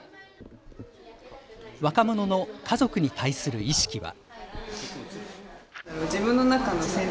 若者の家族に対する意識は。